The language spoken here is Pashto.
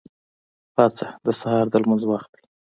پاڅه! د سهار د لمونځ وخت دی.